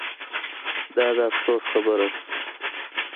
دا د افسوس خبره ده